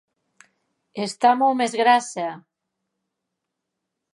Està molt més grassa!